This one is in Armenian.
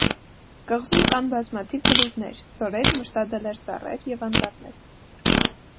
Կղզում կան բազմաթիվ բլուրներ, ձորեր, մշտադալար ծառեր և անտառներ։